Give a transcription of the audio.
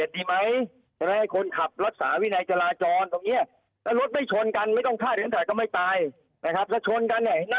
ถ้าผมเชื่อได้เลยว่าลงทางในพรุ่งนี้